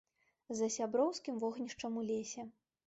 За сяброўскім вогнішчам у лесе.